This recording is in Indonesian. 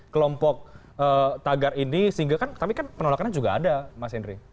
kelompok tagar ini sehingga kan tapi kan penolakannya juga ada mas henry